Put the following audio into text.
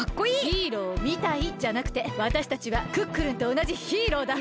「ヒーローみたい」じゃなくてわたしたちはクックルンとおなじヒーローだ！